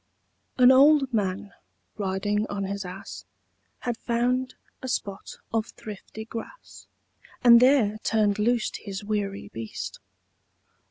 An old man, riding on his ass, Had found a spot of thrifty grass, And there turn'd loose his weary beast.